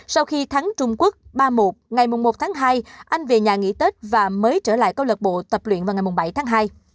sau khi thắng trung quốc ba một ngày một tháng hai anh về nhà nghỉ tết và mới trở lại câu lạc bộ tập luyện vào ngày bảy tháng hai